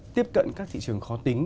tiếp cận các thị trường khó tính